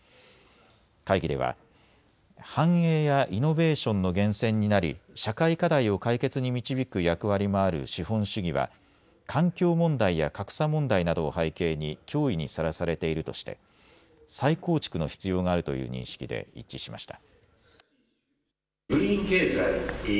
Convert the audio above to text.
会議では繁栄やイノベーションの源泉になり社会課題を解決に導く役割もある資本主義は環境問題や格差問題などを背景に脅威にさらされているとして再構築の必要があるという認識で一致しました。